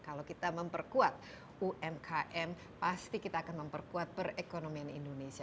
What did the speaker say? kalau kita memperkuat umkm pasti kita akan memperkuat perekonomian indonesia